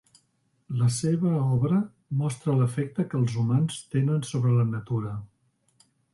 La seva obra mostra l'efecte que els humans tenen sobre la natura.